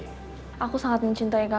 namun dengan catsnya